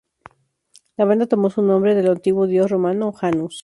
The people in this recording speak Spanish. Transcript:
La banda tomó su nombre del antiguo dios romano Janus.